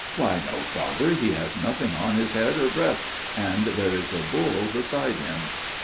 "' Why, no, Father, he has nothing on his head or breast, and there is a bull beside him!'